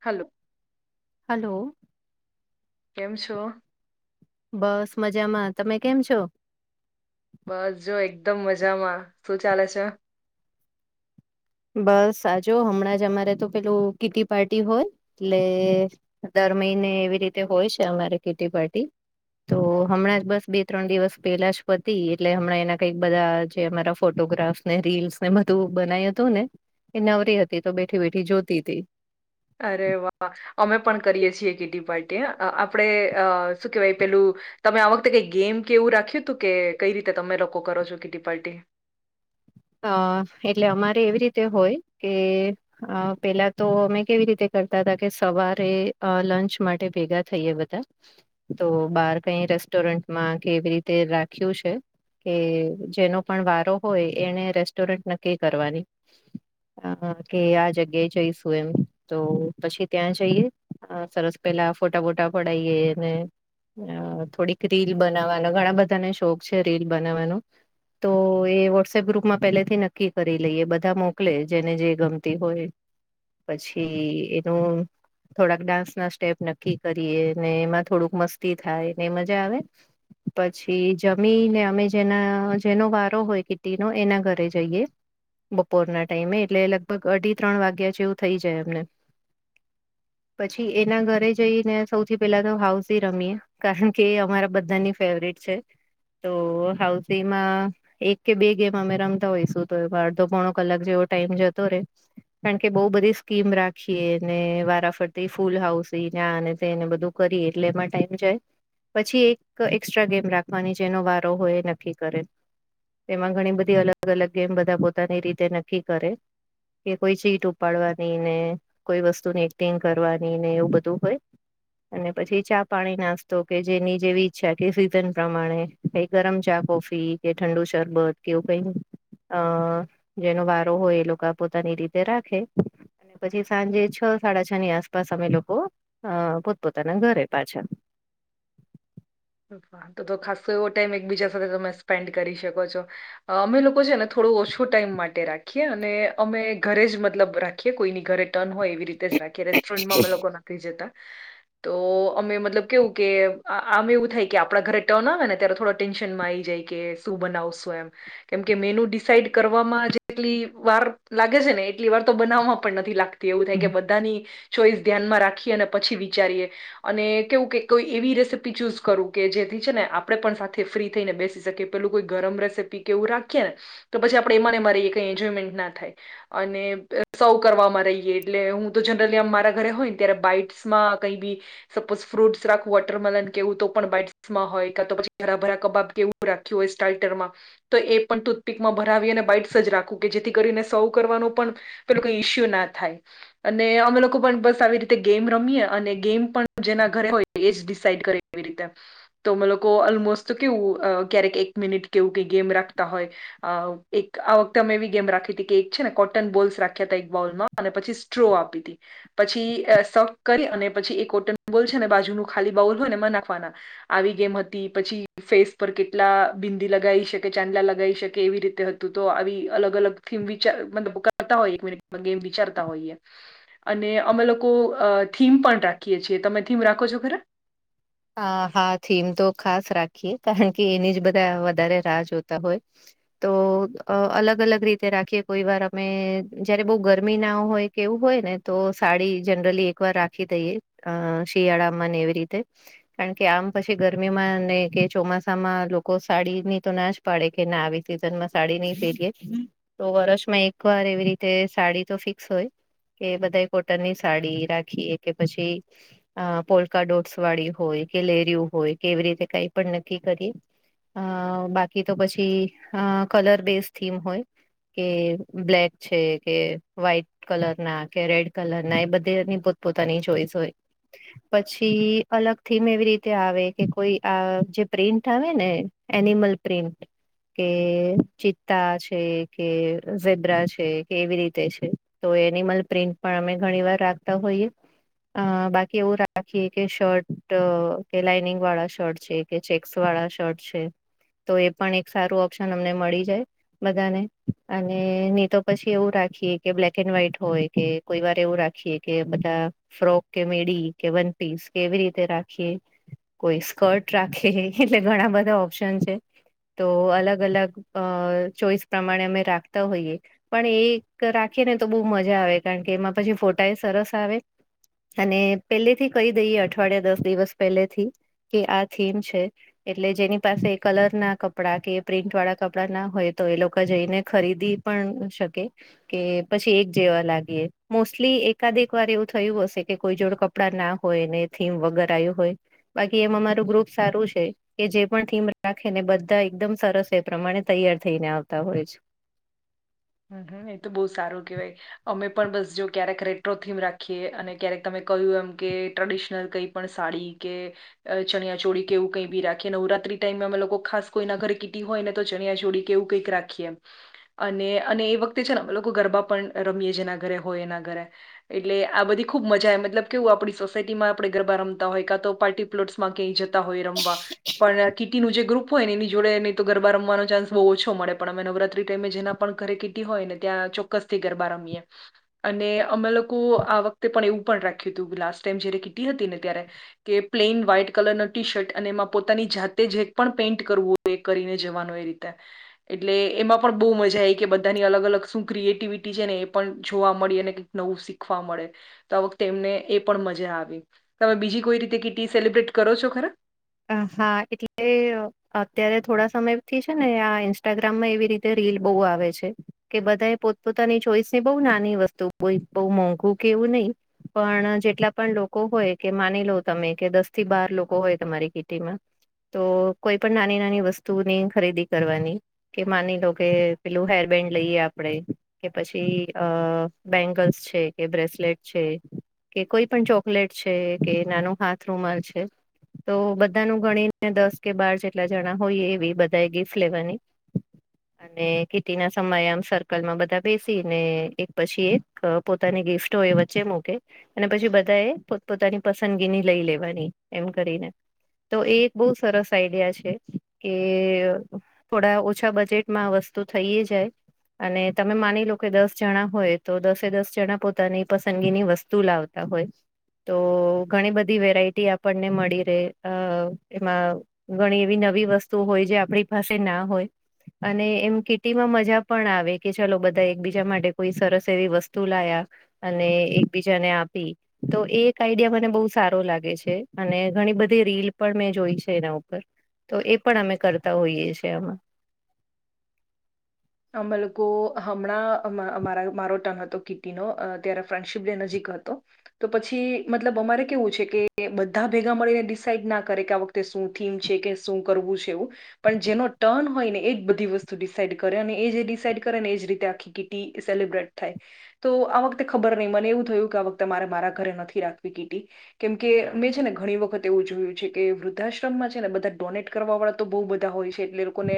Hello. Hello. કેમ છો? બસ મજામાં તમે કેમ છો? બસ જો એકદમ મજામાં શું ચાલે છે. બસ આજો હમણાં જ અમારે તો પેલું કીટ્ટી પાર્ટી હોય એટલે દર મહિને એવી રીતે હોય છે અમારે કીટ્ટી પાર્ટી. તો હમણાં જ બસ બે ત્રણ દિવસ પેલા જ પતિ એટલે હમણાં એના કઈક બધા જે અમારા ફોટોગ્રાફસ ને રીલ્સ ને બધું બનાય હતું ને એ નવરી હતી તો બેઠી બેઠી જોતીતી. અરે વાહ! અમે પણ કરીએ છીએ કેટી પાર્ટી હ આપણેે અ શું કેવાય પેલું તમે આ વખતે કઈ ગેમ કે એવું રાખ્યું હતું કે કઈ રીતે તમે લોકો કરો છો કીટી પાર્ટી. અ એટલે અમારે એવી રીતે હોય કે અ પેલા તો અમે કેવી રીતે કરતા હતા કે સવારે અ લંચ માટે ભેગા થઈએ બધા. તો બાર કઈ રેસ્ટોરન્ટમાં કેવી રીતે રાખ્યું છે. કે જેનો પણ વારો હોય એને રેસ્ટોરન્ટ નક્કી કરવાની. હા હા કે આ જગ્યા જઈસુ એમ. તો પછી ત્યાં જઈએ અ સરસ પેલા ફોટા બોટા પડાઈએ અને અ થોડીક રીલ બનાવવાનો ઘણા બધાને શોખ છે રીલ બનાવવાનો. તો એ વોટ્સએપ ગ્રુપ માં પેલેથી નક્કી કરી લઈએ બધા મોકલે જેને જે ગમતી હોયએ. પછી એનું થોડાક ડાન્સ ના સ્ટેપ નક્કી કરીએ ને એમાં થોડુંક મસ્તી થાય ને એ મજા આવે. પછી જમીને અમે જેના જેનો વારો હોય કે નો એના ઘરે જઈએ. બપોરના ટાઈમે એટલે લગભગ અઢી ત્રણ વાગ્યા જેવું થઇ જાય એમને પછી એના ઘરે જઈને સૌથી પેલા તો હાઉસી રમીએ કારણ કે એ અમારા બધાની ફેવરેટ. છે તો હાઉસીમાં એક કે બે ગેમ અમે રમતા હોઈશું તો અડધો પોણો કલાક જેવો ટાઈમ જતો રે. કારણ કે બહુ બધી સ્કીમ રાખીએને વારાફરતી ફૂલ હાઉસી ને આને તે ને બધું. કરીએ એટલે એમાં ટાઈમ જાય. પછી એક એક્સટ્રા ગેમ રાખવાની જેનો વારો હોય એ નક્કી કરે. તેમાં ઘણી બધી અલગ અલગ ગેમ બધા પોતાની રીતે નક્કી કરે. કે કોઈ ચીટ ઉપાડવાની ને કોઈ વસ્તુ ની એક્ટિંગ કરવાની ને એવું બધું હોય. અને પછી ચા પાણી નાસ્તો કે જેની જેવી ઈચ્છા કે સીઝન પ્રમાણે કે ગરમ ચા કોફી કે ઠંડુ શરબત કેવું કઈ અ જેનો વારો હોય એ લોકો પોતાની રીતે રાખે. અને પછી સાંજે છ સાડા છ ની આસપાસ અમે લોકો અ પોતપોતાના ઘરે પાછા તો તો ખાસો એવો ટાઈમ એકબીજા સાથે તમે સ્પેન્ડ કરી શકો છો. અમે લોકો છે ને થોડો ઓછો ટાઈમ માટે રાખીએ અને અમે ઘરે જ મતલબ રાખીએ. રાખી કોઈની ઘરે ટર્ન હોય એવી રીતે જ રાખીએ રેસ્ટોરન્ટમાં અમે લોકો નથી જતા તો અમે મતલબ કેવું કે આમે એવું થઈ કે આપડા ઘરે ટર્ન આવે ને ત્યારે થોડા ટેન્શનમાં આ આવી જાય કે શું બનાવશું એમ. કેમકે મેનુ ડિસાઈડ કરવામાં જેટલી વાર લાગે છે ને એટલી વાર તો બનાવવામાં પણ નથી લાગતી. એવું થાય કે બધાની ચોઈસ ધ્યાનમાં રાખીએ અને પછી વિચારીએ અને કેવું કે કોઈ એવી રેસીપી ચૂઝ કરું કે જેથી છે ને આપણે પણ સાથે ફ્રી થઈને બેસી શકીએ પેલું કોઈ ગરમ રેસીપી કે એવું રાખીએ ને તો પછી આપણે એમાંને મારી કઈ એન્જોયમેન્ટ ના થાય. અને સૌ કરવામાં રહીયએ એટલે હું તો જનરલી મારા ઘરે હોય ને ત્યારે બાઈટસમાં કઈ બી સપોઝ ફ્રૂટસ રાખું વોટરમલન કેવું તો પણ બાઇટમાં હોય કા તો પછી ઘરા ભરા કબાબ કેવું રાખ્યું હોય સ્ટાટરમાં તો એ પણ ટૂથપીકમાં ભરાવી અને બાઈટ સજ રાખવું કે જેથી કરીને સૌ કરવાનો પણ પેલો કોઈ ઈસ્યુ ના થાય. અને અમે લોકો પણ બસ આવી રીતે ગેમ રમીએ અને ગેમ પણ જેના ઘરે હોય એજ ડિસાઇડ કરે. એવી રીતે તો અમે લોકો ઓલમોસ્ટ કેવું ક્યારેક એક મિનિટ કેવું કઈ ગેમ રાખતા હોય. અ એક આ વખતે અમે એવી ગેમ રાખી હતી કે એક છે ને કોટન બોલ્સ રાખ્યા હતા એક બોલમાં અને પછી સ્ટ્રો આપી હતી. પછી શઉ કરી અને પછી એ કોટન બોલ છે ને બાજુ નું ખાલી બાઉલ હોય ને એમ નાખ ના આવી ગેમ હતી પછી ફેસ પર કેટલા બિંદી લગાવી શકે ચાંદલા લગાવી શકે એવી રીતે હતું તો આવી અલગ અલગ ગેમ વિચાર મતલબ કરતા હોય એક મિનીટ ગેમ વિચારતા હોયએ અને અમે લોકો અ થીમ પણ રાખીએ છીએ તમે થીમ રાખો છો ખરા. હ હા થીમ તો ખાસ રાખીએ કારણ કે એની જ બધા વધારે રાહ જોતા હોય. તો અલગ અલગ રીતે રાખીએ કોઈ વાર અમે જયારે બઉ ગરમી ના હોય. કેવું હોય ને તો સાડી જનરલી એક વાર રાખી દઈએ અ શિયાળામાંને એવી રીતે કારણ કે આમ પછી ગરમીમાં કે ચોમાસામાં લોકો સાડી ની તો ના જ પાડે કે ના આવી સીઝન માં સાડી નહી પેરીએ તો વર્ષમાં એક વાર એવી રીતે સાડી તો ફિક્સ હોય. કે બધા કોટનની સાડી રાખીએ કે પછી અ પોલકા ડોટસ વાડી હોય કે લેરું હોય કે એવી રીતે કઈ પણ નક્કી કરી. અ બાકી તો પછી કલર બેઝ થીમ હોય. કે બ્લેક છે કે વ્હાઈટ કલર ના કે રેડ કલર ના એ બધેની પોતપોતાની ચોઈસ હોય પછી અલગ થીમ એવી રીતે આવે કે કોઈ આ જે પ્રિન્ટ આવે ને એનિમલ પ્રિન્ટ કે ચિત્તા છે કે ઝેબ્રા છે કે એવી રીતે છે તો એનીમલ પ્રિન્ટ પણ અમે ઘણી વાર રાખતા હોઈએ. અ બાકી એવું રાખીએ કે શર્ટ તો કે લાઈનિંગ વાળા શર્ટ છે કે ચેક્સ વાળા શર્ટ છે. તો એ પણ એક સારું ઓપ્શન અમને મળી જાય. બધાને અને ની તો પછી એવું રાખીએ કે બ્લેક એન્ડ વ્હાઈટ હોય. કે કોઈ વાર એવું રાખીએ કે બધા ફ્રોક કે મેડીી કે વન પીસ કેવી રીતે તે રાખીએ કોઈ સ્કર્ટ રાખીએ એટલે ઘણા બધા ઓપ્શન છે તો અલગ અલગ અ ચોઈસ પ્રમાણે અમે રાખતા હોઈએ પણ એ રાખી ને તો બહુ મજા આવે કારણ કે એમાં પછી ફોટા એ સરસ આવે અને પહેલેથી કહી દઈએ અઠવાડિયા દસ દિવસ પહેલેથી કે આ થીમ છે એટલે જેની પાસે એ કલર ના કપડા કે પ્રિન્ટ વાળા કપડાં ના હોય તો એ લોકો જઈને ખરીદી પણ શકે કે પછી એક જેવા લાગીએ મોસ્ટલી એકાદક વાર એવું થયું હશે કે કોઈ જોડે કપ કડા ના હોય ને થીમ વગર આવ્યું હોય બાકી એમાં મારું ગ્રુપ સારું છે કે જે પણ થીમ રાખે ને બધા એકદમ સરસ એ પ્રમાણે તૈયાર થઈને આવતા હોય છે હમ હમ એ તો બહુ સારું કેવાય અમે પણ બસ જો ક્યારેક રેટ્રોથીમ રાખીએ અને ક્યારેક તમે કહ્યું એમ કે ટ્રેડિશનલ કઈ પણ સાડી કે ચણિયાચોળ કેવું કંઈ બી રાખે નવરાત્રી ટાઈમમાં અમે લોકો ખાસ કોઈના ઘરે કીટી હોય ને તો ચણિયાચોળ કેવું કઈક રાખીએ અને અને એ વખતે છે ને અમે લોકો ગરબા પણ રમીએ જેના ઘરે હોય એના ઘરે એટલે આ બધી ખુબ મજા મતલબ કેવું આપણી સોસાયટીમાં આપણે ગરબા રમતા હોય કા તો પાર્ટી અટમાં ક્યાય જતા હોય રમવા પણ કીટી નનું જે ગ્રુપ હોય ને એની જોડે ની તો ગરબા રમવાનો ચાન્સ બહુ ઓછો મળે પણ અમે નવરાત્રી ટાઈમે જેના પણ ઘરે કીટી હોય ને ત્યાં ચોક્કસ થી ગરબા રમીએ અને અમે લોકો આ વખતે પણ એવું પણ રાખ્યું હતું લાસ્ટ ટાઈમ જારે કીટી હતી ને ત્યારે કે પ્લેઈન વ્હાઈટ કલર ન ટી શર્ટ અને એમાં પોતાની જાતે જેક પણ પેઇન્ટ કરવું કરીને જવાનું એ રીતે એટલે એમાં પણ બહુ મજા આવી કે બધાની અલગ અલગ શું ક્રિએટિવિટી છે ને એ પણ જોવા મળે અનેઈક નવું શીખવા મળે તો આ વખતે એમને એ પણ મજા આવી તમે બીજી કોઈ રીતે કીટી સેલિબ્રેટ કરો છો ખરા અ હા એટલે અત્યારે થોડા સમય થી છે ને આ ઇન્સ્ટાગ્રામમાં એવી રીતે રીલ બહુ આવે છે કે બધા એ પોતપોતાની ચોઈસ ની બહુ નાની વસ્તુ કોઈ બહુ મોંઘું કે એવું નહીિ પણ જેટલા પણ લોકો હોય કે માની લો તમે કે દસ થી બાર લોકો હોય તમારી તો કોઈ પણ નાની નાની વસ્તુની ખરીદી કરવાની કે માની લો કે પેલું હેરબેન્ડ લઈએ આપડે કે પછી અ બેંગલ્સ છે કે બ્રેસલેટ છે કે કોઈ પણ ચોકલેટ છે કે નાનો હાથ રૂમાલ છે તો બધ બધા ન ગણીને દસ કે બાર જેટલા જણા હોય એવી બધા એ ગીફ્ટ લેવાની [inaudible] અને કીતિ ના સમયે આમ સર્કલમાં બધા બેસી ને એક પછી એક પોતાની ગિફ્ટ હોય વચ્ચે મકે અને પછી બધા એ પોત પોતાની પસંદગીની લઈ લેવાની એમ કરીને તો એ એક બહુ સરસ આઈડિયા છે કે થોડા ઓછા બજેટમાં આ વસ્તુ થઈએ જાય અને તમે માની લો કે દસ જણા હોય તો દસે દસ જણા પોતાની પસંદગીની વસ્તુ લાવતા હોય તો ઘણી બધી વેરાયટી આપણને મળી રહે અ એમાં ઘણી એવી નવી વસ્તુ હોય જે આપણી પાસે ના હોય અને એમ કીટીમાં મજા પણ આવે કે ચલો બધા એક બીજા માટે કોઈ સરસ એવી વસ્તુ લાયા અને એકબીજાને આપી તો એ એક આઈડિયા મને બહુ સારો લાગે છે અને ઘણી બધી ધી રીલ પણ મેં જોઈ છે એના ઉપર તો એ પણ અમે કરતા હોઈએ છ છેએ આમાં અમે લોકો હમણાંરા મારો ટન હતો કીટીનો ત્યારે ફ્રેન્ડશિપ ડ નજીક હતો તો પછી મતલબ અમારે કેવું છે કે બધા ભેગા મળીને ડિસાઇડ ના કરે કે આ વખતે તે શું થીમ છે કે શું કરવું છે એવું પણ જેનો ટર્ન હોયને એ બધી વસ્તુ ડિસાડ કર અને એ જે ડિસાઇડ કરે ને એજ રીતે આખી કીટી સેલિબ્રેટ થાય તો આ વખતે ખબર નહી મને એવું થયું કે આ વખતે મારે મારા ઘરે નથી રાખવી કીટી કેમ કે મેં છે ને ઘણી વખત એવું જોયું છે કે વૃદ્ધાશ્રમમાં છે ને બધા ડોનેટ કરવા વાળા તો બહુ બધા હોય છે એટલે લોકોને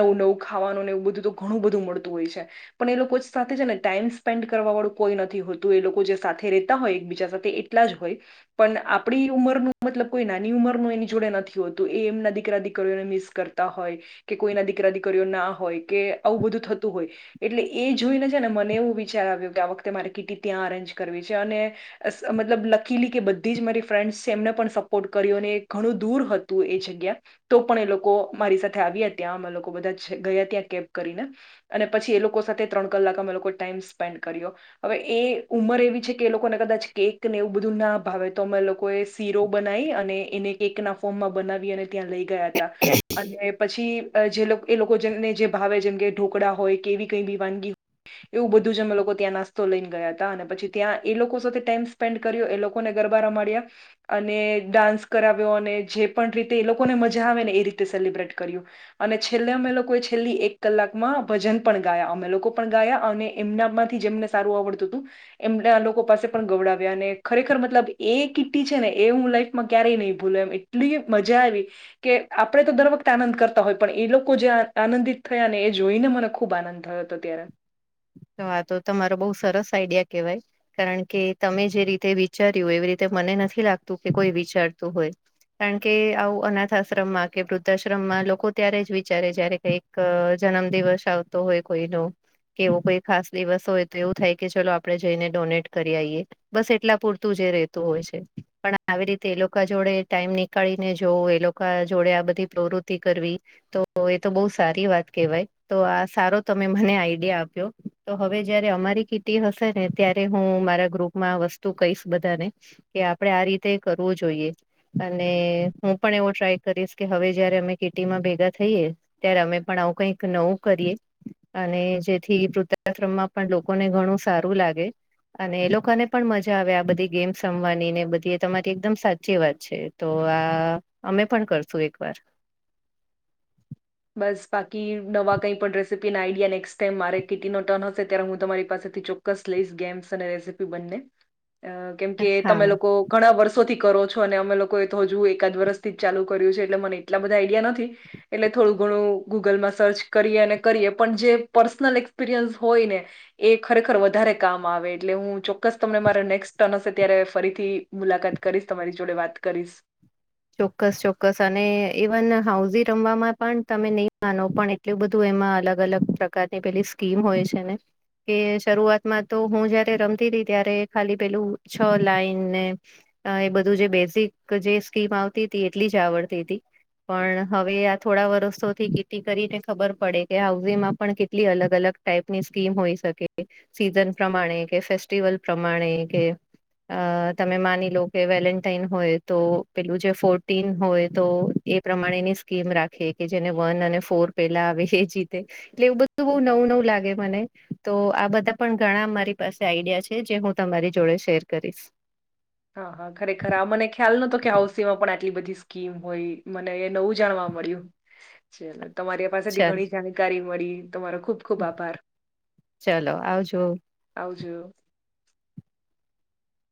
નવું નવું ખાવાનું ને એવું બધું તો ઘણું બધું મળતું હોય છે પણ એ લોકો સાથે છે ને ટાઈમ સ્પેન્ડ કરવા વાળું કોઈ નથી હોતું એ લોકો જે સાથે રહેતા હોય એકબીજા સાથે ટલા જ હોય પણ આપડી ઉંમરનું મતલબ કોઈ નાની ઉંમરનું એની જોડે નથી હોતું એ એમના દીકરા દીકરીઓને મિસ કર તા હોય કે કોઈના દીકરા દીકરીઓ ના હોય કે આવું બધું થતું હોય એટલે એ જોઈને છે ને મને એવું વિચાર આવ્યું કે આ વખતે મારે કિટી ત્યાં અરેન્જ કરવી છે અને મતલબ લખીલી કે બધી જ મારી ફ્રેન્ડ્સ છે એમને પણ સપોર્ટ કર્યો અને ઘણું દૂર હતું એ જગ્યા તો પણ એ લોકો મારી સાથે આવ્યા ત્યાં અમે લોકો બધા ગયા ત્યાં કેબ કરીને અને પછી એ લોકો સાથે ત્રણ કલાક અમે લોકો ટાઈમ સ્પેન્ડ કર્યો હવે એ ઉંમર એવી છે કે એ લોકોને કદાચ કેક ને એવું બધું ના ભાવે તો અમે એ લોકો એ શીરો બનાવી અને એને કેક ના ફોર્મમાં બનાવી અને ત્યા લઈ ગયા હતા અને પછી જે લોક એ લોકોને જે ભાવે જેમ કે ઢોકળા હોય કેવી કંઈ બી વાનગી એવું બધું જ અમે લોકો ત્યાં નાસ્તો લઈને ગયા હતા અને પછી ત્યાં એ લોકો સાથે ટાઈમ સ્પેન્ડ કર્યો એ લોકોને ગરબા રમાડ્યા અને ડાન્સ કરાવ્યો અને જે પણ રીતે એ લોકોને મજા આવે ને એ રીતે સેલિબ્રેટ કર્યું અને છેલ્લે અમે લોકો છે છેલ્લી એક કલાકમાં ભજન પણ ગાયા અમે લોકો પણ ગાયા અને એમના માંથી જેમને સારું આવડતું હતું એમને આ લોકો પાસે પણ ગવડાવ્યા અને ખરેખર મતલબ એ કીટી છે ને એ હું લાઈફમાં ક્યારેય નહી ભૂલ્યો એમ ટલી મજા આવી કે આપડે તો દર વખતે આનંદ કરતા હોય પણ એ લોકો જ્યાં આનંદિત થયા ને એ જોઈને મને ખૂબ આનંદ થયો હતો ત્યારે તો આ તો તમારો બઉ સરસ આઈડિયા કેવાય કારણ કે તમે જે રીતે વિચાર્યું એવી રીતે મને નથી લાગતું કે કોઈ વિચારતું હોય કારણ કે આવું અનાથ આશ્રમમાં કે વૃદ્ધાશ્રમમાં લોકો ત્યારે જ વિચારે જ્યારે કઈક ક જન્મ દિવસ આવતો હોય કોઈ નું કે એવો કોઈ ખાસ દિવસ હોય તો એવું થાય કે ચલો આપડે જઈને ડોનેટ કરી આઈએ બસ એટલા પૂરતું જ રેતું હોય છે પણ આવી રીતે એ લોકો જોડે ટાઈમ ની કળીને જોવું એ લોકો જોડે આ બધી પ્રવૃત્તિ કરવી તો એ તો બહુ સારી વાત કેહેવાય તો આ સારો તમે મને આઈડિયા આપ તો હવે જયારે અમારી કીટી હશે ને ત્યારે હું મારા ગ્રુપમાં વસ્તુ કહીશ બધાને કે આપડે આ રીતે કરવું જોઈએ અને હું પણ એવો ટ્રાય કરીશ કે હવે જયારે અમે કીટીમાં ભેગા થઈએ ત્યારે અમે પણ આવું કઈક નવું કરીએ અને જે થી વૃદ્વઆશ્રમમાં પણ લોકોને ઘણું સારું લાગે અને એ લોકોને પણ મજા આવે આ બધી ગેમ રમવાની ને બધી એ તમારી એકદમ સાચી વાત છે તો આ અમે પણ કરશું એક વાર બસ બાકી નવા કઈ પણ રેસીપી ના આઈડિયા નેક્સ્ટ ટાઈમ મારે કિટી નો ટર્ન હશે ત્યારે હું તમારી પાસેથી ચો કસ લઈશ ગેમ્સ અને રેસીપી બંને અ કેમકે હા તમે લોકો ઘણા વર્ષોથી કરો છો અને અમે લોકોએ તો હજુ એકાદ વર્ષથી જ ચાલુ કર્યું છે એટલે મને એટલા બધા આઈડિયા નથી એટલે થોડું ઘણું ગૂગલમાં સર્ચ કરીએ અને કરીએ પણ જે પર્સનલ એક્સપિરિયન્સ હોય ને એ ખરેખર વધારે કામ આવે એટલે હું ચોક્કસ તમને મારે નેક્સ્ટ ટર્ન હશે ત્યારે ફરીથી મુલાકાત કરીશ તમારી જોડે વાત કરીશ. ચોક્કસ ચોક્કસ અને ઇવન હાઉઝી રમવામાં પણ તમે નહી માનો પણ એ ટલું બધું એમાં અલગ અલગ પ્રકારની પેલી સ્કીમ હોય છે ને કે શરૂઆતમાં તો હું જયારે રમતી રહી ત્યારે ખાલી પેલું છ લાઈનને એ બધું જે બેઝિક જે સ્કીમ આવતી હતી એટલી જ આવડતી હતી. પણ હવે આ થોડા વર્ષોથી ખેતી કરીને ખબર પડે કે હાઉઝમાં પણ કેટલી અલગ અલગ ટાઈપની સ્કીમ હોઈ શકે સીઝન પ્રમાણે કે, ફેસ્ટિવલ પ્રમાણે કે અ તમે માની લો કે વેલેન્ટાાઈન હોય તો પેલું જે ફોટીન હોય તો એ પ્રમાણેની સ્કીમ રાખે કે જેને વન અને ફોર પેલા આવે એ જીતે એટલે એવું બધું બઉ હમ નવું નવું લાગે મને. તો આ બધા પણ ઘણા મારી પાસે આઈડિયા છે જે હું તમારી જોડે શેર કરીશ. હા હા ખરેખર આ મને ખ્યાલ નતો કે હાઉસીમાં પણ આટલી બધી સ્કીમ હોય મને એ નવું જાણવા મળ્યુ. તમારી પાસેથી ચાલ ઘણી જાણકારી મળી તમારો ખુબ ખુબ આભાર ચલો આવજો. આવજો.